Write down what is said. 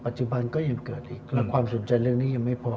จุบันก็ยังเกิดอีกและความสนใจเรื่องนี้ยังไม่พอ